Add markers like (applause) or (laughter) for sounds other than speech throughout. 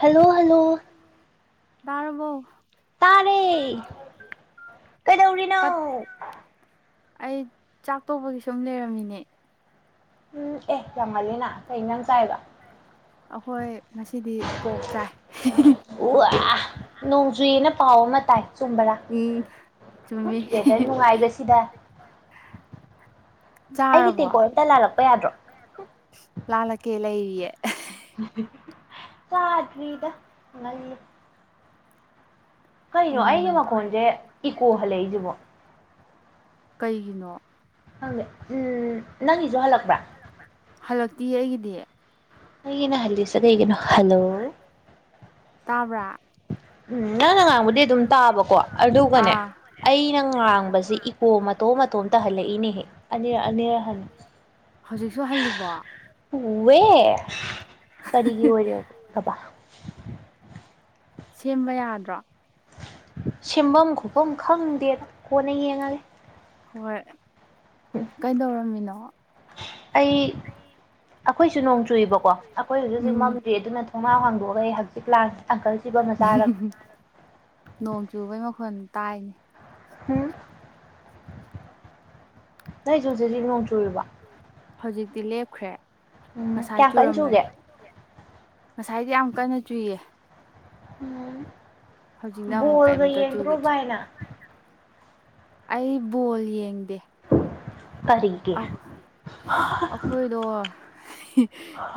hello hello ꯇꯥꯔꯕꯣ ꯇꯥꯔꯦ ꯀꯩꯗꯧꯔꯤꯅꯣ ꯄꯠ ꯑꯩ ꯆꯥꯛ ꯇꯣꯛꯄꯒꯤ ꯁꯨꯝ ꯂꯩꯔꯝꯃꯤꯅꯦ ꯎꯝ ꯑꯦ ꯌꯥꯝ ꯉꯜꯂꯤꯅ ꯀꯩ ꯏꯟꯖꯥꯡ ꯆꯥꯏꯕ ꯑꯩꯈꯣꯏ ꯉꯁꯤꯗꯤ ꯄꯣꯛ ꯆꯥꯏ ꯎꯋꯥ ꯅꯣꯡ ꯆꯨꯏꯅ ꯄꯥꯎ ꯑꯃ ꯇꯥꯏ ꯆꯨꯝꯕꯔꯥ ꯎꯝ ꯆꯨꯝꯃꯤ ꯋꯦꯗꯔ ꯅꯨꯡꯉꯥꯏꯕꯁꯤꯗ ꯑꯩꯒꯤ ꯆꯥꯔꯕꯣ ꯇꯦꯡꯀꯣꯠ ꯑꯝꯇ ꯂꯥꯜꯂꯛꯄ ꯌꯥꯗ꯭ꯔꯣ ꯂꯥꯜꯂꯛꯀꯦ ꯂꯩꯔꯤꯌꯦ ꯆꯥꯗ꯭ꯔꯤꯗ ꯉꯜꯂꯤ ꯀꯩꯅꯣ ꯎꯝ ꯑꯩꯒꯤ ꯃꯈꯣꯟꯁꯦ ꯏꯀꯣ ꯍꯜꯂꯛꯏꯁꯤꯕꯣ ꯀꯩꯒꯤꯅꯣ ꯈꯪꯗꯦ ꯑꯝ ꯅꯪꯒꯤꯁꯨ ꯍꯜꯂꯛꯄ꯭ꯔꯥ ꯍꯜꯂꯛꯇꯤꯌꯦ ꯑꯩꯒꯤꯗꯤ ꯑꯩꯒꯤꯅ ꯍꯜꯂꯤꯁꯦ ꯀꯩꯒꯤꯅꯣ ꯍꯜꯂꯣ ꯇꯥꯕ꯭ꯔꯥ ꯅꯪ ꯅ ꯉꯥꯡꯕꯨꯗꯤ ꯑꯗꯨꯝ ꯇꯥꯕꯀꯣ ꯑꯗꯨꯒꯅꯦ ꯑꯥ ꯑꯩꯅ ꯉꯥꯡꯕꯁꯤ ꯏꯀꯣ ꯃꯇꯣꯝ ꯃꯇꯣꯝ ꯇꯥꯍꯜꯂꯛꯏꯅꯦꯍꯦ ꯑꯅꯤꯔꯛ ꯑꯅꯤꯔꯛ ꯍꯜ ꯍꯧꯖꯤꯛꯁꯨ ꯍꯜꯂꯤꯕꯣ ꯍ ꯋꯦ ꯀꯔꯤꯒꯤ ꯑꯣꯏꯔꯒꯕꯥ ꯁꯦꯝꯕ ꯌꯥꯗ꯭ꯔꯣ ꯁꯦꯝꯐꯝ ꯈꯣꯠꯐꯝ ꯈꯪꯗꯦꯗ ꯀꯣꯟꯅ ꯌꯦꯡꯉꯒꯦ ꯍꯣꯏ ꯀꯩꯗꯧꯔꯝꯃꯤꯅꯣ ꯑꯩ ꯑꯩꯈꯣꯏꯁꯨ ꯅꯣꯡ ꯆꯨꯏꯕꯀꯣ ꯑꯩꯈꯣꯏ ꯍꯧꯖꯤꯛ ꯑꯩꯈꯣꯏ ꯖꯨ ꯅꯣꯡ ꯆꯨꯏꯌꯦꯕꯥꯀꯣ ꯑꯩꯈꯣꯌ ꯍꯧꯖꯤꯛ ꯎꯝ ꯃꯝꯗ꯭ꯔꯤ ꯑꯗꯨꯅ ꯊꯣꯡꯅꯥꯎ ꯍꯥꯡꯗꯣꯛꯑꯒ ꯑꯩ ꯍꯖꯤꯛ ꯂꯥꯡꯉꯤ ꯑꯪꯀꯜꯆꯤꯞ ꯑꯃ ꯆꯥꯔ ꯅꯣꯡ ꯆꯨꯕꯩ ꯃꯈꯣꯟ ꯇꯥꯏꯅꯦ ꯍꯝ ꯅꯣꯏꯁꯨ ꯍꯧꯖꯤꯛ ꯍꯧꯖꯤꯛ ꯅꯣꯡ ꯆꯨꯔꯤꯕ ꯍꯧꯖꯤꯛꯇꯤ ꯂꯦꯞꯈ꯭ꯔꯦ ꯉꯁꯥꯏ ꯀꯌꯥꯝ ꯀꯟꯅ ꯆꯨꯒꯦ ꯆꯨꯔꯝꯕꯅꯦ ꯉꯁꯥꯏꯗꯤ ꯌꯥꯝ ꯀꯟꯅ ꯆꯨꯏꯌꯦ ꯍꯧꯖꯤꯛꯅ ꯎꯝ ꯑꯃꯨꯛ ꯕꯣꯜꯒ ꯀꯩꯝꯇ ꯌꯦꯡꯗ꯭ꯔꯣ ꯆꯨꯈꯤꯗ꯭ꯔꯦ ꯚꯥꯢ ꯅꯪ ꯑꯩ ꯕꯣꯜ ꯌꯦꯡꯗꯦ ꯀꯔꯤꯒꯤ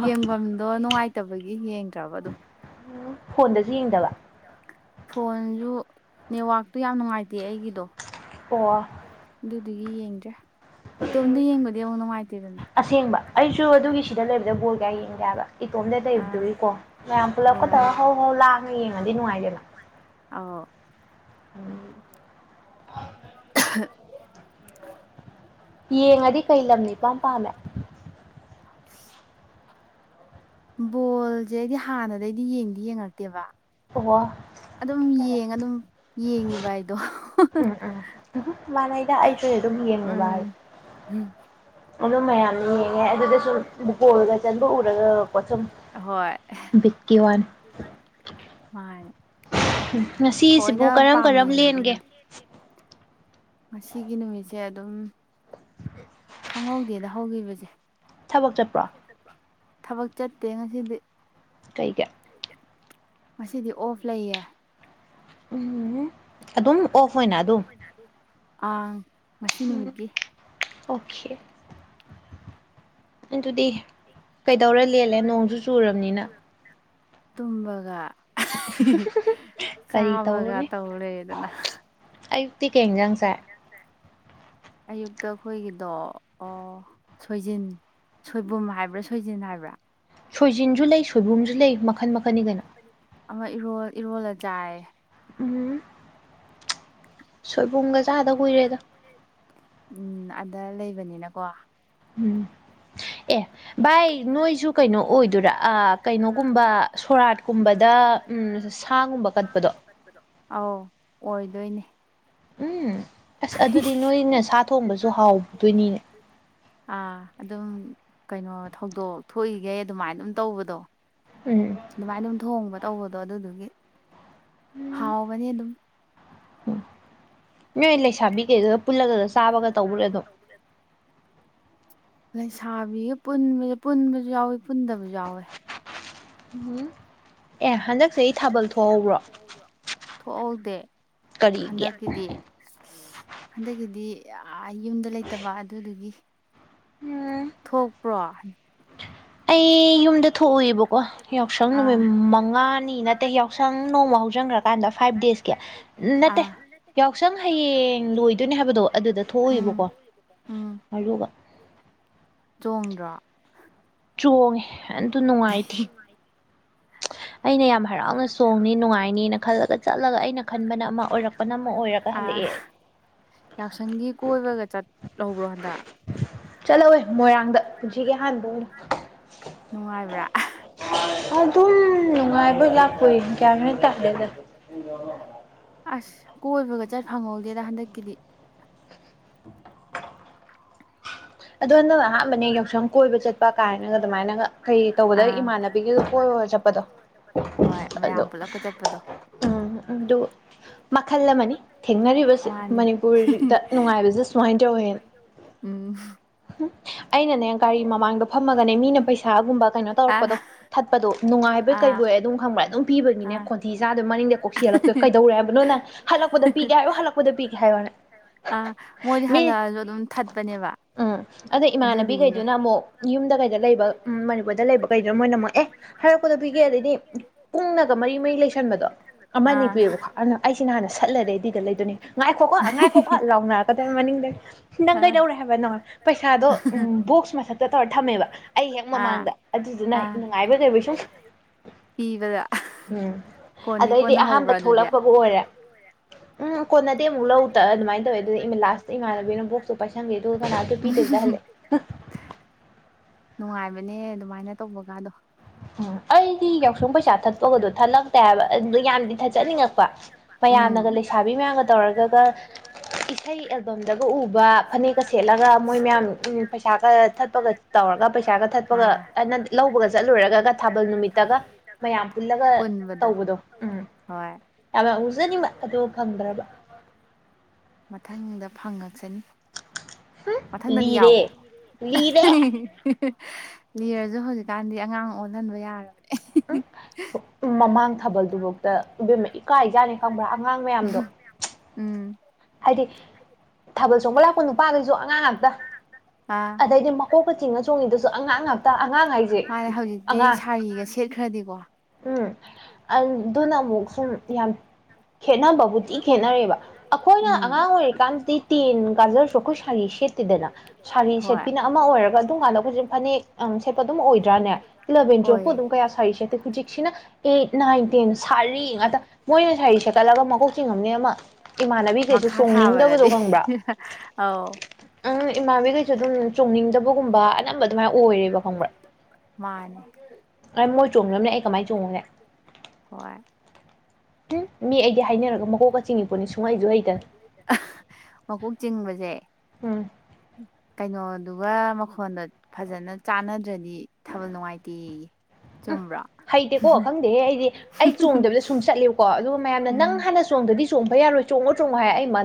ꯌꯦꯡꯕꯝꯗꯣ ꯅꯨꯉꯥꯏꯇꯕꯒꯤ ꯌꯦꯡꯗ꯭ꯔꯕ ꯑꯗꯨꯝ ꯎꯝ ꯐꯣꯟꯗꯁꯨ ꯌꯦꯡꯗꯕ ꯐꯣꯟꯖꯨ ꯅꯦꯠꯋꯥꯛꯇꯣ ꯌꯥꯝ ꯅꯨꯉꯥꯏꯇꯦ ꯑꯩꯒꯤꯗꯣ ꯑꯣ ꯑꯗꯨꯗꯨꯒꯤ ꯌꯦꯡꯗ꯭ꯔꯦ ꯎꯝ ꯏꯇꯣꯝꯇ ꯌꯦꯡꯕꯗꯤ ꯑꯃꯨꯛ ꯅꯨꯡꯉꯥꯏꯇꯦꯗꯅ ꯑꯁꯦꯡꯕ ꯑꯩꯁꯨ ꯑꯗꯨꯒꯤ ꯁꯤꯗ ꯂꯩꯕꯁꯦ ꯕꯣꯜ ꯀꯌꯥ ꯌꯦꯡꯗꯦ ꯍꯥꯢꯕ ꯏꯇꯣꯝꯗ ꯑꯥ ꯂꯩꯕꯗꯨꯒꯤꯀꯣ ꯃꯌꯥꯝ ꯄꯨꯂꯞꯀ ꯍꯣꯏ ꯇꯧ ꯍꯧ ꯍꯧ ꯂꯥꯡꯉ ꯌꯦꯡꯉꯗꯤ ꯅꯨꯡꯉꯥꯏꯗꯅ ꯑꯧ (inaudible) (unintelligible) ꯌꯦꯡꯉꯗꯤ ꯀꯩ ꯂꯝꯅ ꯏꯄꯥꯝ ꯄꯥꯝꯃꯦ (inaudible) ꯕꯣꯜꯁꯦ ꯑꯩꯗꯤ ꯍꯥꯟꯅꯗꯩꯗꯤ ꯌꯦꯡꯗꯤ ꯌꯦꯡꯉꯛꯇꯦꯕ ꯑꯣ ꯑꯗꯨꯝ ꯌꯦꯡꯉ ꯑꯗꯨꯝ ꯌꯦꯡꯉꯤꯕ ꯍꯥꯏꯗꯣ ꯎꯝ ꯎꯝ ꯃꯥꯟꯅꯩꯗ ꯑꯩꯁꯨ ꯑꯗꯨꯝ ꯌꯦꯡꯉꯨꯕ ꯍꯥꯏ ꯎꯝ ꯑꯗꯨ ꯃꯌꯥꯝ ꯌꯦꯡꯉꯦ ꯑꯗꯨꯗ ꯁꯨꯝ ꯒꯣꯜꯒ ꯆꯟꯕ ꯎꯔꯒꯀꯣ ꯁꯨꯝ ꯍꯣꯏ ꯕꯤꯠꯀꯤ ꯋꯥꯅꯦ ꯃꯥꯅꯦ ꯉꯁꯤꯁꯤꯕꯨ ꯊꯑꯣꯏꯅ ꯀꯔꯝ ꯄꯥꯝꯅ ꯀꯔꯝ ꯌꯦꯡꯕꯗꯤ ꯂꯦꯟꯒꯦ ꯌꯦꯡꯗꯦ ꯉꯁꯤꯒꯤ ꯅꯨꯃꯤꯠꯁꯦ ꯑꯗꯨꯝ ꯈꯪꯍꯧꯗꯦꯗ ꯍꯧꯈꯤꯕꯁꯦ ꯊꯕꯛ ꯆꯠꯄ꯭ꯔꯣ ꯊꯕꯛ ꯆꯠꯇꯦ ꯉꯁꯤꯗꯤ ꯀꯩꯒꯤ ꯀꯩꯒꯤ ꯉꯁꯤꯗꯤ ꯑꯣꯐ ꯂꯩꯌꯦ ꯎꯝ ꯑꯗꯨꯝ ꯑꯣꯐ ꯑꯣꯏꯅ ꯑꯗꯨꯝ ꯑꯥꯡ ꯉꯁꯤ ꯅꯨꯃꯤꯠꯀꯤ ꯑꯣꯀꯦ ꯑꯗꯨꯗꯤ ꯀꯩꯗꯧꯔ ꯂꯦꯜꯂꯦ ꯅꯣꯡꯁꯨ ꯆꯨꯔꯝꯅꯤꯅ ꯇꯨꯝꯕꯒ ꯀꯔꯤ ꯆꯥꯕꯒ ꯇꯧꯔꯨꯅꯤ ꯇꯧ ꯂꯩꯔꯦꯗꯅ ꯇꯤ ꯀꯩ ꯍꯦꯟꯖꯥꯡ ꯆꯥꯏ ꯑꯌꯨꯛꯇ ꯈꯣꯏꯒꯤꯗꯣ ꯑꯥ ꯁꯣꯏꯖꯤꯟ ꯁꯣꯏꯕꯨꯝ ꯍꯥꯏꯕ꯭ꯔꯥ ꯁꯣꯏꯖꯤꯟ ꯍꯥꯏꯕ꯭ꯔꯥ ꯁꯣꯏꯖꯤꯟꯁꯨ ꯂꯩ ꯁꯣꯏꯕꯨꯝꯁꯨ ꯂꯩ ꯃꯈꯟ ꯃꯈꯟꯅꯤ ꯀꯩꯅꯣ ꯑꯃ ꯏꯔꯣꯜ ꯏꯔꯣꯜꯂ ꯆꯥꯏ ꯎꯝ ꯁꯣꯏꯕꯨꯝꯒ ꯆꯥꯗ ꯀꯨꯏꯔꯦꯗ ꯎꯝ ꯑꯗ ꯂꯩꯕꯅꯤꯅꯀꯣ ꯎꯝ ꯑꯦ ꯚꯥꯏ ꯅꯣꯏꯁꯨ ꯀꯩꯅꯣ ꯑꯣꯏꯗꯣꯏꯔꯥ ꯀꯩꯅꯣꯒꯨꯝꯕ ꯁꯣꯔꯥꯠꯀꯨꯝꯕꯗ ꯎꯝ ꯁꯥꯒꯨꯝꯕ ꯀꯠꯄꯗꯣ ꯑꯧ ꯑꯣꯏꯗꯣꯏꯅꯦ ꯎꯝ ꯑꯁ ꯑꯗꯨꯗꯤ ꯅꯣꯏꯅ ꯁꯥ ꯊꯣꯡꯕꯁꯨ ꯍꯥꯎꯗꯣꯏꯅꯤ ꯑꯥ ꯑꯗꯨꯝ ꯀꯩꯅꯣ ꯊꯧꯗꯣꯛ ꯊꯣꯛꯏꯒꯩ ꯑꯗꯨꯃꯥꯏꯅ ꯑꯗꯨꯝ ꯇꯧꯕꯗꯣ ꯎꯝ ꯑꯗꯨꯃꯥꯏꯅ ꯑꯗꯨꯝ ꯊꯣꯡꯕ ꯇꯧꯕꯗꯣ ꯑꯗꯨꯗꯨꯒꯤ ꯍꯥꯎꯕꯅꯤ ꯑꯗꯨꯝ ꯎꯝ ꯅꯣꯏ ꯂꯩꯁꯥꯕꯤꯈꯩꯗꯨꯒ ꯄꯨꯜꯂꯒꯒ ꯆꯥꯕꯒ ꯇꯧꯕꯨꯔꯦ ꯑꯗꯨꯝ ꯂꯩꯁꯥꯕꯤꯒꯕ ꯄꯨꯟꯕꯁꯨ ꯌꯥꯎꯋꯤ ꯄꯨꯟꯗꯕꯁꯨ ꯌꯥꯎꯋꯦ (unintelligible) ꯍꯟꯗꯛꯁꯦ ꯑꯦ ꯑꯩ ꯍꯟꯗꯛꯇ ꯊꯥꯕꯜ ꯊꯣꯛꯍꯧꯕ꯭ꯔꯣ ꯊꯣꯛꯍꯧꯕ꯭ꯔꯣ ꯊꯣꯛꯍꯧꯗꯦ ꯀꯔꯤꯒꯤ ꯍꯟꯗꯛꯀꯤꯗꯤ ꯍꯟꯗꯛꯀꯤꯗꯤ ꯌꯨꯝꯗ ꯂꯩꯇꯕ ꯑꯗꯨꯗꯨꯒꯤ ꯎꯝ ꯊꯣꯛꯄ꯭ꯔꯣ ꯑꯩ ꯌꯨꯝꯗ ꯊꯣꯛꯎꯏꯕꯀꯣ ꯌꯥꯎꯁꯪ ꯅꯨꯃꯤꯠ ꯃꯉꯥꯅꯤ ꯅꯠꯇꯦ ꯌꯥꯎꯁꯪ ꯅꯣꯡꯃ ꯍꯧꯖꯥꯟ ꯍꯧꯖꯟ ꯈꯔ ꯀꯥꯟꯗ ꯐꯥꯏꯐ ꯗꯦꯁꯀꯤ ꯅꯠꯇꯦ ꯑꯥ ꯌꯥꯎꯁꯪ ꯍꯌꯦꯡ ꯂꯣꯏꯗꯧꯅꯤ ꯍꯥꯏꯕꯗꯣ ꯑꯗꯨꯗ ꯎꯝ ꯊꯣꯛꯎꯏꯕꯊꯣ ꯎꯝ ꯑꯗꯨꯒ ꯆꯣꯡꯗ꯭ꯔꯣ ꯆꯣꯡꯉꯦ ꯑꯗꯨ ꯅꯨꯡꯉꯥꯏꯇꯦ ꯑꯩꯅ ꯌꯥꯝ ꯍꯔꯥꯎꯅ ꯆꯣꯡꯅꯤ ꯅꯨꯡꯉꯥꯏꯅꯤ ꯈꯜꯂꯒ ꯆꯠꯂꯒ ꯑꯩꯅ ꯈꯟꯕꯅ ꯑꯃ ꯑꯣꯏꯔꯛꯄꯅ ꯑꯃ ꯑꯣꯏꯔꯒ ꯑꯥ ꯍꯜꯂꯛꯑꯦ ꯑꯦ ꯌꯥꯎꯁꯪꯒꯤ ꯀꯣꯏꯕꯒ ꯆꯠ ꯆꯠꯂꯋꯦ ꯃꯣꯏꯔꯥꯡꯗ ꯄꯨꯟꯁꯤꯒꯤ ꯑꯍꯥꯟꯕ ꯑꯣꯏꯅ ꯅꯨꯡꯉꯥꯏꯕ꯭ꯔꯥ ꯑꯗꯨꯝ ꯅꯨꯡꯉꯥꯏꯕꯣꯏ ꯂꯥꯛꯄꯣꯏ ꯒ꯭ꯌꯥꯟ ꯑꯃ ꯇꯗꯦ ꯑꯁ ꯀꯣꯏꯕꯒ ꯆꯠ ꯐꯪꯍꯧꯗꯦꯗ ꯍꯟꯗꯛꯀꯤꯗꯤ (inaudible) ꯑꯗꯣ ꯅꯪ ꯑꯗꯨꯅ ꯑꯍꯥꯟꯕꯅꯦ ꯌꯥꯎꯁꯪ ꯆꯠꯄ ꯀꯣꯏꯕ ꯀꯥꯏꯅꯒ ꯆꯠꯄ ꯀꯥꯏꯅ ꯑꯗꯨꯃꯥꯏꯅꯒ ꯑꯗꯨꯃꯥꯏ ꯀꯩ ꯇꯧꯕꯗ ꯏꯃꯥꯟꯅꯕꯤꯒ ꯅꯃꯥꯟꯅ ꯀꯣꯏꯕꯒ ꯆꯠꯄꯗꯣ ꯍꯣꯏ ꯃꯌꯥꯝ ꯑꯗꯣ ꯄꯨꯜꯂꯞꯄ ꯆꯠꯄꯗꯣ ꯎꯝ ꯑꯗꯣ ꯃꯈꯜ ꯑꯃꯅꯤ ꯊꯦꯡꯅꯔꯤꯕꯁꯦ ꯃꯥꯅꯦ ꯃꯅꯤꯄꯨꯔꯗ ꯅꯨꯡꯉꯥꯏꯕꯁꯦ ꯁꯨꯃꯥꯏꯅ ꯇꯧꯋꯦꯅ ꯎꯝ (inaudible) ꯑꯩꯅꯅꯦ ꯒꯥꯔꯤ ꯃꯃꯥꯡꯗꯣ ꯐꯝꯃꯒꯅꯦ ꯃꯤꯅ ꯄꯩꯁꯥꯒꯨꯝꯕ ꯀꯩꯅꯣ ꯑꯥ ꯇꯧꯔꯛꯄꯗꯣ ꯊꯠꯄꯗꯣ ꯅꯨꯡꯉꯥꯏꯕ ꯕꯣꯢ ꯑꯥ ꯀꯩꯕꯣꯏ ꯑꯗꯨꯝ ꯈꯪꯕ꯭ꯔꯥ ꯑꯗꯨꯝ ꯄꯤꯗꯣꯢꯅꯤꯅꯦ ꯑꯥ ꯈꯣꯟꯊꯤ ꯆꯥꯗꯣꯢ ꯃꯅꯤꯡꯗꯩ ꯀꯣꯛꯁꯤ ꯍꯜꯂꯛꯇꯣꯏ ꯀꯩꯔꯦ ꯍꯥꯏꯕꯅꯣ ꯅꯪ ꯍꯂꯛꯄꯗ ꯄꯤꯒꯦ ꯍꯥꯏꯌꯨ ꯍꯜꯂꯛꯄꯗ ꯄꯤꯒꯦ ꯍꯥꯏꯗꯨꯅ ꯑꯥ ꯃꯣꯏꯗꯤ ꯍꯜꯂꯛꯑꯁꯨ ꯑꯗꯨꯝ ꯊꯠꯄꯅꯦꯕ ꯎꯝ ꯑꯗ ꯑꯗꯨꯗꯨꯒꯤꯅꯦ ꯏꯃꯥꯟꯅꯕꯤꯈꯩꯗꯨꯅ ꯑꯃꯨꯛ ꯌꯨꯝꯗ ꯀꯩꯗ ꯂꯩꯕ ꯎꯝ ꯃꯅꯤꯄꯨꯔꯗ ꯂꯩꯕ ꯀꯩꯗꯨꯅ ꯃꯣꯏꯅ ꯑꯃꯨꯛ ꯑꯦ ꯍꯜꯂꯛꯄꯗ ꯄꯤꯒꯦ ꯑꯗꯩꯗꯤ ꯀꯨꯡꯅꯒ ꯃꯔꯤ ꯃꯔꯤ ꯂꯩꯁꯟꯕꯗꯣ ꯑꯃ ꯅꯤ ꯑꯥ ꯄꯤꯌꯦꯕꯀꯣ ꯑꯗꯨꯅ ꯑꯩꯁꯤꯅ ꯍꯥꯟꯅ ꯁꯠꯂ ꯔꯦꯗꯤꯗ ꯂꯩꯗꯨꯅꯤ ꯉꯥꯏꯈꯣꯀꯣ ꯉꯥꯏꯈꯣꯀꯣ ꯂꯥꯎꯅꯔꯛꯀꯗꯣꯢ ꯃꯅꯤꯡ ꯅꯪ ꯑꯥ ꯀꯩꯗꯧꯔꯦ ꯍꯥꯏꯕꯅꯣ ꯄꯩꯁꯥꯗꯣ ꯑꯝ ꯕꯣꯛꯁ ꯃꯊꯛꯇ ꯇꯧꯔ ꯊꯝꯃꯦꯕ ꯑꯩ ꯍꯦꯛ ꯑꯥ ꯃꯃꯥꯡꯗ ꯑꯗꯨꯗꯨꯅ ꯑꯥ ꯅꯨꯡꯉꯥꯏꯕꯣꯢ ꯀꯩꯕꯣꯢ ꯁꯨꯝ ꯄꯤꯕꯗ ꯎꯝ ꯀꯣꯟꯗꯤ ꯑꯗꯩꯗꯤ ꯀꯣꯟꯅ ꯑꯍꯥꯟꯕ ꯍꯧꯕ꯭ꯔꯥ ꯑꯗꯨꯗꯤ ꯊꯣꯛꯂꯛꯄꯕꯨ ꯑꯣꯏꯔꯦ ꯎꯝ ꯀꯣꯟꯅꯗꯤ ꯑꯃꯨꯛ ꯂꯧ ꯇ ꯑꯗꯨꯃꯥꯏꯅ ꯇꯧꯋꯦ ꯑꯗꯨ ꯏ ꯂꯥꯁꯇ ꯏꯃꯥꯟꯅꯕꯤꯅ ꯕꯣꯛꯁꯇꯨ ꯄꯥꯏꯁꯟꯈꯤ ꯑꯗꯨꯒ ꯀꯅꯥ ꯄꯤꯗꯕꯤꯗ ꯍꯜꯂꯛꯑꯦ ꯅꯨꯡꯉꯥꯏꯕꯅꯦ ꯑꯗꯨꯃꯥꯏꯅ ꯇꯧꯕꯀꯥꯗꯣ ꯎꯝ ꯑꯩꯗꯤ ꯌꯥꯎꯁꯪ ꯄꯩꯁꯥ ꯊꯠꯄꯒꯗꯣ ꯊꯠꯂꯛꯇꯦ ꯍꯥꯏꯕ ꯑꯗꯨ ꯌꯥꯝꯅꯗꯤ ꯊꯠꯆꯅꯤꯡꯉꯛꯄ ꯃꯌꯥꯝ ꯎꯝ ꯑꯗꯣ ꯂꯩꯁꯥꯕꯤ ꯃꯌꯥꯝꯒ ꯇꯧꯔꯒꯒ ꯏꯁꯩ ꯑꯦꯜꯕꯝꯗꯒ ꯎꯕ ꯐꯅꯦꯛꯀ ꯁꯦꯠꯂꯒ ꯃꯣꯏ ꯃꯌꯥꯝ ꯎ ꯄꯩꯁꯥꯒ ꯊꯠꯄꯒ ꯇꯧ ꯄꯩꯁꯥꯒ ꯊꯠꯄꯒ ꯑꯥ ꯑ ꯅꯠ ꯂꯧꯕꯒ ꯆꯠꯂꯨꯔꯒ ꯊꯥꯕꯜ ꯅꯨꯃꯤꯠꯇꯒ ꯃꯌꯥꯝ ꯄꯨꯜꯂꯒ ꯄꯨꯟꯕꯗꯣ ꯇꯧꯕꯗꯣ ꯎꯝ ꯍꯣꯏ ꯌꯥꯝ ꯌꯥꯎ ꯖꯅꯤꯡꯕ ꯑꯗꯨ ꯐꯪꯗ꯭ꯔꯕ ꯃꯊꯪꯗ ꯐꯪꯉꯛꯁꯅꯤ ꯃꯊꯪꯗꯗꯤ ꯂꯤꯔꯦ ꯌꯥꯎꯋꯣ ꯂꯤꯔꯦ (unintelligible) ꯂꯤꯔꯁꯨ ꯍꯧꯖꯤꯛꯀꯥꯟꯗꯤ ꯑꯉꯥꯡ ꯑꯣꯜꯍꯟꯕ ꯌꯥꯔꯕꯅꯦ ꯎꯝ ꯃꯃꯥꯡ ꯊꯥꯕꯜꯗꯨꯐꯥꯎꯇ ꯏꯕꯦꯝꯃ ꯏꯀꯥꯖꯥꯅꯤ ꯈꯪꯕ꯭ꯔꯥ ꯑꯉꯥꯡ ꯃꯌꯥꯝꯗꯣ ꯎꯝ ꯍꯥꯏꯗꯤ ꯊꯥꯕꯜ ꯆꯣꯡꯕ ꯂꯥꯛꯄ ꯅꯨꯄꯥꯈꯩꯁꯨ ꯑꯉꯥꯡ ꯉꯥꯛꯇ ꯑꯥ ꯑꯗꯩꯗꯤ ꯃꯀꯣꯛ ꯆꯤꯡꯉ ꯆꯣꯡꯉꯤꯗꯨꯁꯨ ꯑꯉꯥꯡ ꯉꯥꯛꯇ ꯑꯉꯥꯡ ꯍꯥꯏꯁꯦ ꯃꯥꯅꯦ ꯍꯧꯖꯤꯛꯇꯤ ꯑꯉꯥꯡ ꯁꯥꯔꯤꯒ ꯁꯦꯠꯈ꯭ꯔꯗꯤꯀꯣ ꯎꯝ ꯑꯗꯨꯅ ꯑꯃꯨꯛ ꯁꯨꯝ ꯌꯥꯝ ꯈꯦꯠꯅꯕꯕꯨ ꯊꯤ ꯈꯦꯠꯅꯔꯦꯕ ꯑꯩꯈꯣꯏꯅ ꯑꯉꯥꯡ ꯎꯝ ꯑꯣꯏꯔꯤꯀꯥꯟꯗꯗꯤ ꯇꯦꯟ ꯀꯥꯖꯔꯁꯨ ꯑꯩꯈꯣꯏ ꯁꯥꯔꯤ ꯁꯦꯠꯇꯦꯗꯅ ꯁꯥꯔꯤ ꯍꯣꯏ ꯁꯦꯠꯄꯤꯅ ꯑꯃ ꯑꯣꯏꯔ ꯒ ꯑꯗꯨꯝ ꯀꯥꯟꯗ ꯈꯣꯏꯁꯦ ꯐꯅꯦꯛ ꯁꯦꯠꯄ ꯑꯗꯨꯝ ꯑꯣꯏꯗ꯭ꯔꯥꯅꯦ ꯏꯂꯚꯦꯟ ꯇꯨꯋꯦꯞꯄꯨ ꯑꯣꯏꯌꯦ ꯑꯗꯨꯝ ꯀꯌꯥ ꯁꯥꯔꯤ ꯁꯦꯠꯇꯦ ꯍꯧꯖꯤꯛꯁꯤꯅ ꯑꯩꯠ ꯅꯥꯏꯟ ꯇꯦꯟ ꯁꯥꯔꯤ ꯉꯥꯛꯇ ꯃꯣꯏꯅ ꯁꯥꯔꯤ ꯁꯦꯀꯠꯂꯒ ꯃꯀꯣꯛ ꯆꯤꯡꯉꯝꯅꯤꯅ ꯑꯃ ꯏꯃꯥꯟꯅꯕꯤꯒꯩꯁꯨ ꯃꯈꯥ ꯆꯣꯡꯅꯤꯡꯗꯕꯗꯣ ꯊꯥꯕꯗꯗꯤ ꯈꯪꯕ꯭ꯔꯥ ꯑꯧ ꯎꯝ ꯏꯃꯥꯕꯤꯈꯩꯁꯨ ꯑꯗꯨꯝ ꯆꯣꯡꯅꯤꯡꯗꯕꯒꯨꯝꯕ ꯑꯅꯝꯕ ꯑꯗꯨꯃꯥꯏꯅ ꯑꯣꯏꯔꯦꯕ ꯈꯪꯕ꯭ꯔꯥ ꯃꯥꯅꯦ ꯃꯣꯏ ꯆꯣꯡꯗ꯭ꯔꯕꯅꯤꯅ ꯑꯩ ꯀꯃꯥꯏꯅ ꯆꯣꯡꯉꯨꯅꯦ ꯍꯣꯏ ꯎꯝ ꯃꯤ ꯑꯩꯗꯤ ꯍꯥꯏꯅꯔꯒ ꯃꯀꯣꯛꯀ ꯆꯤꯡꯉꯤꯄꯣꯠꯅꯤ ꯁꯨꯡꯍꯩꯁꯨ ꯍꯩꯇꯅ ꯃꯀꯣꯛ ꯆꯤꯡꯕꯁꯦ ꯎꯝ ꯀꯩꯅꯣꯗꯨꯒ ꯃꯈꯣꯟꯗ ꯐꯖꯅ ꯆꯥꯟꯅꯗ꯭ꯔꯗꯤ ꯊꯥꯕꯜ ꯅꯨꯡꯉꯥꯏꯇꯦꯌꯦ ꯎꯝ ꯆꯨꯝꯕ꯭ꯔꯣ ꯍꯩꯇꯦꯀꯣ ꯈꯪꯗꯦꯍꯦ ꯑꯩꯗꯤ ꯑꯩ ꯆꯣꯡꯗꯕꯤꯗ ꯁꯨꯝ ꯆꯠꯂꯦꯕꯀꯣ ꯑꯗꯨ ꯃꯌꯥꯝꯅ ꯅꯪ ꯎꯝ ꯍꯥꯟꯅ ꯆꯣꯡꯗꯗꯤ ꯆꯣꯡꯕ ꯌꯥꯔꯣꯏ ꯆꯣꯡꯉꯣ ꯆꯣꯡꯉꯣ ꯍꯥꯏ ꯑꯩ ꯃ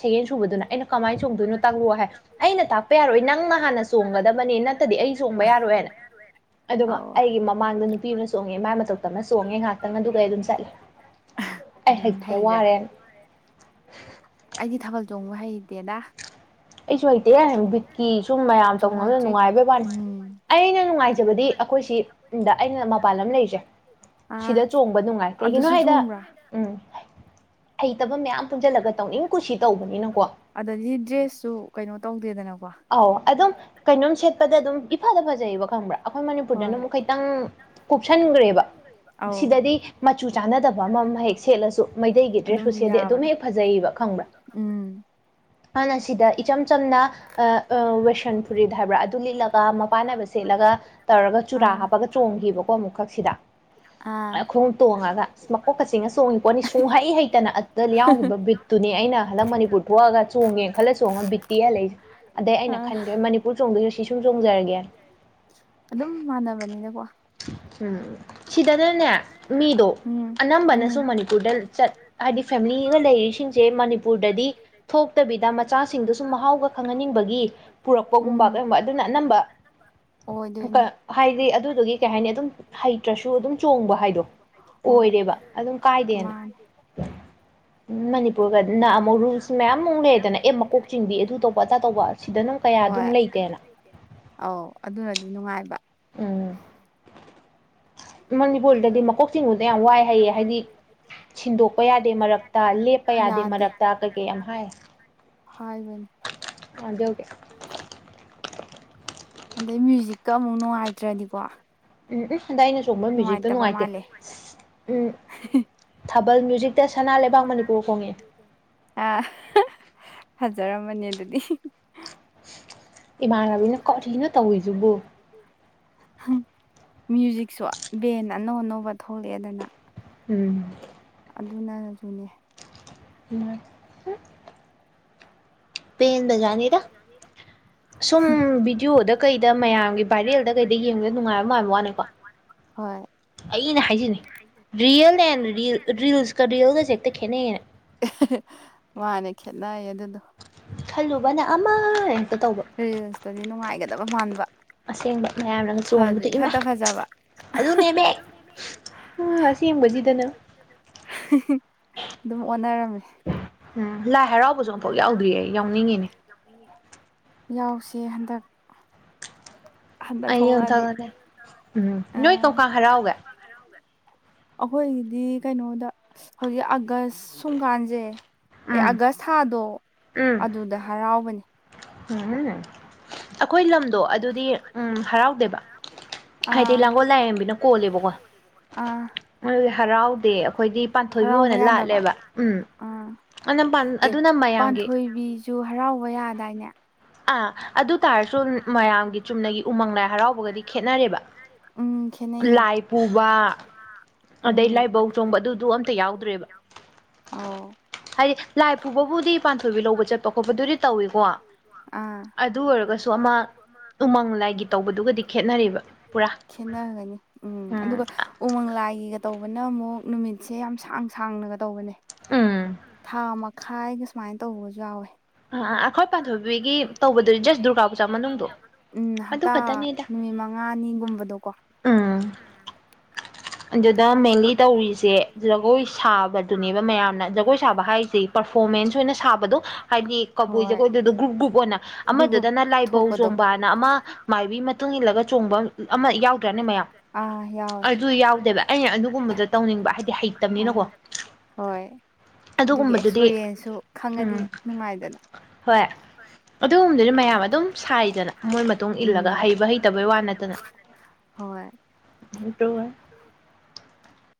ꯁꯦꯀꯦꯟ ꯁꯨꯕꯗꯨꯅ ꯑꯩꯅ ꯀꯃꯥꯏꯅ ꯆꯣꯡꯗꯣꯏꯅꯣ ꯇꯥꯛꯂꯛꯑꯣ ꯍꯥꯏ ꯑꯩꯅ ꯇꯥꯛꯄ ꯌꯥꯔꯣꯏ ꯅꯪꯅ ꯍꯥꯟꯅ ꯆꯣꯡꯒꯗꯕꯅꯤ ꯅꯠꯇꯗꯤ ꯑꯩꯅ ꯆꯣꯡꯕ ꯌꯥꯔꯣꯏꯅ ꯑꯗꯨꯒ ꯑꯧ ꯑꯩꯒꯤ ꯃꯃꯥꯡꯗ ꯅꯨꯄꯤꯗꯨꯅ ꯆꯣꯡꯉꯦ ꯃꯥꯏ ꯃꯇꯧꯇꯝꯃ ꯆꯣꯡꯉꯦ ꯉꯥꯏꯍꯥꯛꯇꯪ ꯑꯗꯨꯒ ꯑꯩ ꯑꯗꯨꯝ ꯆꯠꯂꯦ ꯑꯩ ꯑꯗꯨꯝ ꯍꯩꯇ꯭ꯔꯦ ꯍꯩꯈ꯭ꯔꯦ ꯋꯥꯔꯦꯅ ꯑꯩꯗꯤ ꯊꯥꯕꯜ ꯆꯣꯡꯕ ꯍꯩꯇꯦꯗ ꯑꯩꯁꯨ ꯍꯩꯇꯦꯍꯦ ꯕꯤꯠꯀꯤ ꯁꯨꯝ ꯃꯌꯥꯝ ꯇꯧꯅꯕꯗꯨ ꯆꯣꯡꯉꯛꯇ꯭ꯔꯤ ꯅꯨꯡꯉꯥꯏꯕꯩ ꯋꯥꯅꯤ ꯎꯝ ꯑꯩꯅ ꯅꯨꯡꯉꯥꯏꯖꯕꯗꯤ ꯑꯩꯈꯣꯏꯁꯤꯗ ꯑꯩꯅ ꯃꯄꯥꯟ ꯂꯝ ꯂꯩꯖꯦ ꯑꯥ ꯁꯤꯗ ꯆꯣꯡꯕ ꯅꯨꯡꯉꯥꯏ ꯀꯩꯒꯤꯅꯣ ꯑꯗꯨꯁꯨ ꯍꯥꯏꯗ ꯆꯣꯡꯕ꯭ꯔꯥ ꯎꯝ ꯍꯩꯇꯕ ꯃꯌꯥꯝ ꯄꯨꯟꯁꯤꯜꯂꯒ ꯇꯧꯅꯤꯡ ꯀꯨꯁꯤ ꯇꯧꯕꯅꯤꯅꯀꯣ ꯑꯗꯒꯤ ꯗ꯭ꯔꯦꯁꯁꯨ ꯀꯩꯅꯣ ꯇꯧꯗꯦꯗꯅ ꯑꯧ ꯑꯗꯨꯝ ꯀꯩꯅꯣꯝ ꯁꯦꯠꯄꯗ ꯑꯗꯨꯝ ꯏꯐꯥꯗ ꯐꯖꯩꯌꯦꯕ ꯈꯪꯕ꯭ꯔꯥ ꯑꯩꯈꯣꯏ ꯃꯅꯤꯄꯨꯔꯗꯅ ꯍꯣꯏ ꯑꯃꯨꯛ ꯈꯤꯇꯪ ꯀꯨꯞ ꯁꯟꯒ꯭ꯔꯦꯕ ꯑꯧ ꯁꯤꯗꯗꯤ ꯃꯆꯨ ꯆꯥꯟꯅꯗꯕ ꯑꯃ ꯍꯦꯛ ꯁꯦꯠꯂꯁꯨ ꯃꯩꯇꯩꯒꯤ ꯑꯗꯨꯝ ꯗ꯭ꯔꯦꯁꯄꯨ ꯁꯦꯠꯂꯗꯤ ꯑꯗꯨꯝ ꯍꯦꯛ ꯌꯥꯕꯗꯣ ꯐꯖꯩꯌꯦꯕ ꯈꯪꯕ꯭ꯔꯥ ꯎꯝ ꯑꯗꯨꯅ ꯁꯤꯗ ꯏꯆꯝ ꯆꯝꯅ ꯋꯦꯁꯟ ꯐꯨꯔꯤꯠ ꯍꯥꯏꯕ꯭ꯔꯥ ꯑꯗꯨ ꯂꯤꯠꯂꯒ ꯃꯄꯥꯟꯅꯥꯏꯕ ꯁꯦꯠꯂꯒ ꯇꯧꯔꯒ ꯆꯨꯔꯥ ꯑꯥ ꯍꯥꯞꯄꯒ ꯆꯣꯡ ꯐꯪꯈꯤꯕꯀꯣ ꯑꯃꯨꯛꯈꯛꯁꯤꯗ ꯈꯨꯡꯉꯨꯝ ꯇꯣꯡꯉꯒ ꯃꯀꯣꯛꯀ ꯆꯤꯡꯉ ꯆꯣꯡꯉꯤ ꯄꯣꯠꯅꯤ ꯁꯨꯡ ꯍꯩ ꯍꯩꯇꯅ ꯗ ꯌꯥꯎꯈꯤꯕ ꯕꯤꯠꯇꯨꯅꯦ ꯑꯩꯅ ꯍꯟꯗꯛ ꯃꯅꯤꯄꯨꯔ ꯊꯣꯛꯑꯒ ꯆꯣꯡꯒꯦꯅ ꯈꯜꯂ ꯆꯣꯡꯉꯒ ꯕꯤꯠ ꯇꯦꯛ ꯑꯥ ꯍꯜꯂꯛꯏꯁꯦ ꯑꯗꯩ ꯑꯩꯅ ꯑꯥ ꯈꯟꯈ꯭ꯔꯦ ꯃꯅꯤꯄꯨꯔ ꯆꯣꯡꯗꯣꯏꯁꯨ ꯁꯤ ꯁꯨꯝ ꯆꯣꯡꯖꯔꯒꯦ ꯑꯗꯨꯝ ꯃꯥꯟꯅꯕꯅꯤꯅꯀꯣ ꯎꯝ ꯁꯤꯗꯅꯅꯦ ꯃꯤꯗꯣ ꯎꯝ ꯎꯝ ꯑꯅꯝꯕꯅꯁꯨ ꯃꯅꯤꯄꯨꯔꯗ ꯆꯠ ꯍꯥꯏꯗꯤ ꯐꯦꯃꯤꯂꯤꯒ ꯂꯩꯔꯤꯁꯤ ꯁꯦ ꯃꯅꯤꯄꯨꯔꯗꯗꯤ ꯊꯣꯛꯇꯕꯤꯗ ꯃꯆꯥꯁꯤꯡꯗꯨ ꯁꯨꯝ ꯃꯍꯥꯎꯒ ꯈꯪꯍꯟꯅꯤꯡꯕꯒꯤ ꯄꯨꯔꯛꯄꯒꯨꯝꯕ ꯎꯝ ꯀꯩꯒꯨꯝꯕ ꯑꯗꯨꯅ ꯑꯅꯝꯕ ꯑꯣꯏꯗꯣꯏꯅꯦ ꯍꯥꯏꯗꯤ ꯑꯗꯨꯗꯨꯒꯤ ꯀꯩ ꯍꯥꯏꯅꯤ ꯑꯗꯨꯝ ꯍꯩꯇ꯭ꯔꯁꯨ ꯑꯗꯨꯝ ꯆꯣꯡꯕ ꯍꯥꯏꯗꯣ ꯍꯣꯏ ꯑꯣꯏꯔꯦꯕ ꯑꯗꯨꯝ ꯀꯥꯏꯗꯦꯅ ꯃꯥꯅꯦ ꯄꯨꯒ ꯅ ꯑꯃꯨꯛ ꯔꯨꯜꯁ ꯃꯌꯥꯝꯃꯨꯛ ꯂꯩꯗꯅ ꯑꯦ ꯃꯀꯣꯛ ꯆꯤꯡꯕꯤ ꯑꯗꯨ ꯇꯧꯕ ꯑꯆꯥꯗꯥ ꯇꯧꯕ ꯁꯤꯗꯅ ꯀꯌꯥ ꯍꯣꯏ ꯑꯗꯨꯝ ꯂꯩꯇꯦꯅ ꯑꯧ ꯑꯗꯨꯅꯗꯤ ꯅꯨꯡꯉꯥꯏ ꯎꯝ ꯃꯅꯤꯄꯨꯔꯗꯗꯤ ꯃꯀꯣꯛ ꯆꯤꯡꯕꯗꯣ ꯌꯥꯝ ꯋꯥꯏ ꯍꯩꯌꯦ ꯍꯥꯏꯗꯤ ꯁꯤꯟꯗꯣꯛꯄ ꯌꯥꯗꯦ ꯃꯔꯛꯇ ꯂꯦꯞꯄ ꯌꯥꯗꯦ ꯃꯔꯛꯇ ꯀꯩ ꯀꯩ ꯌꯥꯝ ꯍꯥꯏ ꯍꯥꯏꯕꯅꯤ ꯑꯗꯧꯒꯤ ꯑꯗꯩ ꯃ꯭ꯌꯨꯖꯤꯛꯀ ꯑꯃꯨꯛ ꯅꯨꯡꯉꯥꯏꯇ꯭ꯔꯅꯤꯀꯣ ꯎꯝ ꯎꯝ ꯍꯟꯗꯛ ꯑꯩꯅ ꯆꯣꯡꯕ ꯃ꯭ꯌꯨꯖꯤꯛꯇꯣ ꯅꯨꯡꯉꯥꯏꯇꯦ ꯃꯥꯜꯂꯦ ꯎꯝ ꯊꯥꯕꯜ ꯃ꯭ꯌꯨꯖꯤꯛꯇ ꯁꯅꯥ ꯂꯩꯕꯥꯛ ꯃꯅꯤꯄꯨꯔ ꯈꯣꯡꯉꯛꯑꯦ (unintelligible) ꯐꯖꯔꯝꯃꯅꯤ ꯑꯗꯨꯗꯤ ꯍꯤꯍꯤ ꯏꯃꯥꯟꯅꯕꯤꯅ ꯀꯔꯤꯅꯣ ꯇꯧꯋꯤꯗꯨꯕꯨ ꯃ꯭ꯌꯨꯖꯤꯛꯁꯨ ꯕꯦꯟ ꯑꯅꯧ ꯑꯅꯧꯕ ꯊꯣꯛꯂꯛꯑꯦꯗꯅ ꯎꯝ ꯑꯗꯨꯅꯁꯨꯅꯦ ꯃꯥ ꯍꯝ ꯄꯦꯟꯕ ꯖꯥꯠꯅꯤꯗ ꯁꯨꯝ ꯚꯤꯗꯤꯑꯣꯗ ꯀꯩꯗ ꯃꯌꯥꯝꯒꯤ ꯚꯥꯏꯔꯦꯜꯗ ꯀꯩꯗ ꯌꯦꯡꯕꯗ ꯅꯨꯡꯉꯥꯏꯕ ꯃꯥꯟꯕ ꯋꯥꯅꯤꯀꯣ ꯍꯣꯏ ꯑꯩꯅ ꯍꯥꯏꯖꯤꯅꯤ ꯔꯤꯌꯦꯜ ꯑꯦꯟ ꯔꯤꯜꯁꯀ ꯔꯤꯌꯦꯜꯒꯁꯦ ꯍꯦꯛꯇ ꯈꯦꯠꯅꯩꯌꯦꯅ ꯃꯥꯅꯦ ꯈꯦꯠꯅꯩꯌꯦ ꯑꯗꯨꯗꯣ ꯈꯜꯂꯨꯕꯅ ꯑꯃ ꯍꯦꯛꯇ ꯇꯧꯕ ꯍꯥꯏꯒꯗꯕ ꯃꯥꯟꯕ ꯑꯁꯦꯡꯕ ꯃꯌꯥꯝꯅꯒꯥ ꯐꯁꯨ ꯆꯣꯡꯕꯗꯨ ꯏꯃꯥ ꯏꯐꯠꯇ ꯐꯖꯕ ꯑꯗꯨꯅꯦꯃꯤ ꯎꯝ ꯑꯁꯦꯡꯕꯁꯤꯗꯅ ꯍꯤꯍꯤꯍꯤ ꯑꯗꯨꯝ ꯑꯣꯟꯅꯔꯝꯃꯦ ꯎꯝ ꯂꯥꯏ ꯍꯔꯥꯎꯕꯁꯨ ꯑꯃꯝꯐꯥꯎ ꯌꯥꯎꯗ꯭ꯔꯤꯌꯦ ꯌꯥꯎꯅꯤꯡꯉꯤꯅꯦ ꯌꯥꯎꯁꯦ ꯍꯟꯗꯛ ꯍꯟꯗꯛ ꯑꯩ ꯊꯣꯛꯂꯛꯑꯗꯤ ꯌꯣꯟꯊꯪꯅꯦ ꯎꯝ ꯑ ꯅꯣꯏ ꯀꯝ ꯀꯥꯟ ꯍꯔꯥꯎꯒꯦ ꯑꯩꯈꯣꯏꯒꯤꯗꯤ ꯀꯩꯅꯣꯗ ꯍꯧꯖꯤꯛ ꯑꯥꯒꯁ ꯁꯨꯡꯀꯥꯟꯁꯦ ꯑꯦ ꯎꯝ ꯑꯥꯒꯁ ꯑꯣ ꯎꯝ ꯑꯗꯨꯗ ꯍꯔꯥꯎꯕꯅꯤ ꯎꯝ ꯑꯩꯈꯣꯏ ꯂꯝꯗꯣ ꯑꯗꯨꯗꯤ ꯎꯝ ꯍꯔꯥꯎꯗꯦꯕ ꯍꯥꯏꯗꯤ ꯑꯥ ꯂꯥꯡꯒꯣꯜ ꯂꯥꯏꯔꯦꯝꯕꯤꯅ ꯀꯣꯜꯂꯦꯕꯀꯣ ꯑꯥ ꯑꯗꯨꯗꯤ ꯍꯔꯥꯎꯗꯦ ꯑꯩꯈꯣꯏꯗꯤ ꯄꯥꯟꯊꯣꯏꯕꯤ ꯍꯔꯥꯎꯕ ꯑꯣꯏꯅ ꯌꯥꯗꯕ ꯂꯥꯠꯂꯦꯕ ꯎꯝ ꯑꯥ ꯑꯗꯨꯅ ꯄꯥꯟ ꯑꯦ ꯑꯗꯨꯅ ꯃꯌꯥꯝꯒꯤ ꯄꯥꯟꯊꯣꯏꯕꯤꯁꯨ ꯍꯔꯥꯎꯕ ꯌꯥꯗꯥꯏꯅꯦ ꯑꯥ ꯑꯗꯨ ꯇꯥꯔꯁꯨ ꯃꯌꯥꯝꯒꯤ ꯆꯨꯝꯅꯒꯤ ꯎꯃꯪ ꯂꯥꯏ ꯍꯔꯥꯎꯕꯒꯗꯤ ꯈꯦꯠꯅꯔꯦꯕ ꯎꯝ ꯈꯦꯠꯅꯩꯌꯦ ꯂꯥꯏ ꯑꯩ ꯄꯨꯨꯕ ꯎꯝ ꯑꯣ ꯍꯥꯏꯗꯤ ꯂꯥꯏ ꯄꯨꯕꯕꯨꯗꯤ ꯄꯥꯟꯊꯣꯏꯕꯤ ꯂꯧꯕ ꯆꯠꯄ ꯈꯣꯠꯄꯗꯨꯗꯤ ꯇꯧꯏꯀꯣ ꯑꯗꯨ ꯑꯣꯏ ꯑꯃꯥ ꯄꯨꯔꯥ ꯈꯦꯠꯅ ꯔꯝꯒꯅꯤ ꯎꯝ ꯑꯗꯨꯒ ꯎꯪ ꯎꯃꯪ ꯂꯥꯏꯒꯤꯒ ꯇꯧꯕꯅ ꯑꯃꯨꯛ ꯅꯨꯃꯤꯠꯁꯦ ꯌꯥꯝ ꯁꯥꯡ ꯁꯥꯡꯅꯒ ꯇꯧꯕꯅꯦ ꯎꯝ ꯊꯥ ꯃ ꯈꯥꯏꯒ ꯁꯨꯝꯃꯥꯏꯅ ꯇꯧꯕꯒꯖꯨ ꯌꯥꯎꯋꯦ ꯑ ꯑꯩꯈꯣꯏ ꯄꯥꯟꯊꯣꯏꯕꯤꯒꯤ ꯇꯧꯕꯗꯗꯤ ꯖꯁ ꯗꯨꯔꯒꯥ ꯄꯨꯖꯥ ꯃꯅꯨꯡꯗꯣ ꯎꯝ ꯑꯗꯨ ꯍꯇꯥ ꯈꯛꯇꯅꯤꯗ ꯅꯨꯃꯤꯠ ꯃꯉꯥꯅꯤꯒꯨꯝꯕꯗꯣꯀꯣ ꯎꯝ ꯑꯗꯨꯗ ꯃꯦꯟꯂꯤ ꯇꯧꯔꯤꯁꯦ ꯖꯒꯣꯏ ꯁꯥꯕꯗꯨꯅꯦꯕ ꯃꯌꯥꯝꯅ ꯖꯒꯣꯏ ꯁꯥꯕ ꯍꯥꯏꯁꯦ ꯄꯔꯐꯣꯝ ꯃꯦꯟꯁ ꯑꯣꯏꯅ ꯁꯥꯕꯗꯣ ꯍꯥꯏꯗꯤ ꯀꯕꯨꯏ ꯍꯣꯏ ꯖꯒꯣꯏꯗꯨꯗ ꯒ꯭ꯔꯨꯞ ꯒ꯭ꯔꯨꯞ ꯑꯣꯏꯅ ꯒ꯭ꯔꯨꯞ ꯒ꯭ꯔꯨꯞ ꯑꯃꯗꯨꯗꯅ ꯂꯥꯏꯕꯧ ꯊꯣꯛꯄꯗꯣ ꯆꫭꯡꯕꯅ ꯑꯃ ꯃꯥꯏꯕꯤ ꯃꯇꯨꯡ ꯏꯜꯂꯒ ꯆꯣꯡꯕ ꯑꯃ ꯌꯥꯎꯗ꯭ꯔꯅꯦ ꯃꯌꯥꯝ ꯑꯥ ꯌꯥꯎꯋꯦ ꯑꯗꯨ ꯌꯥꯎꯗꯦ ꯑꯗꯨꯒꯨꯝꯕꯗꯣ ꯇꯧꯅꯤꯡꯕ ꯍꯥꯏꯗꯤ ꯍꯩꯇꯞꯅꯤꯅꯀꯣ ꯑꯥ ꯍꯣꯏ ꯑꯗꯨꯒꯤ ꯑꯗꯨꯒꯨꯝꯕꯗꯨꯗꯤ ꯑꯦꯛꯁꯄꯤꯔꯤꯌꯦꯟꯁꯁꯨ ꯈꯪꯉꯗꯤ ꯎꯝ ꯅꯨꯡꯉꯥꯏꯗꯅ ꯍꯣꯏ ꯑꯗꯨꯒꯨꯝꯕꯗꯨꯗꯤ ꯃꯌꯥꯝ ꯑꯗꯨꯝ ꯁꯥꯏꯗꯅ ꯃꯣꯏ ꯃꯇꯨꯡ ꯏꯜꯂꯒ ꯎꯝ ꯍꯩꯕ ꯍꯩꯇꯕꯩ ꯋꯥ ꯅꯠꯇꯅ ꯍꯣꯏ (unintelligible)